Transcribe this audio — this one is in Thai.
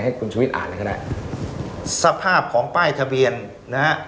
ให้คุณชุวิตอ่านก็ได้สภาพของป้ายทะเบียนนะฮะ